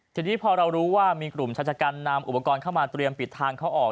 ทีนี้พอเรารู้ว่ามีกลุ่มชายชะกันนำอุปกรณ์เข้ามาเตรียมปิดทางเข้าออก